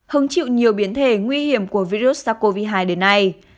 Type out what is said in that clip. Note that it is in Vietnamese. hứng chịu nhiều biến thể nguy hiểm của virus sars cov hai đến nay